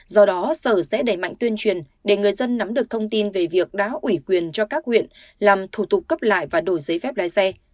do đó sở sẽ đẩy mạnh tuyên truyền để người dân nắm được thông tin về việc đã ủy quyền cho các huyện làm thủ tục cấp lại và đổi giấy phép lái xe